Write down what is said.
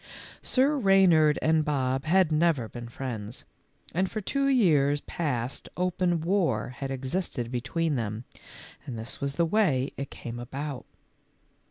Sir Reynard and Bob had never been friends, and for two years past open war had existed between them, and this was the way it came about.